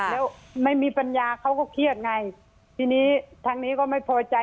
แล้วไม่มีปัญญาเขาก็เครียดไงทีนี้ทางนี้ก็ไม่พอใจ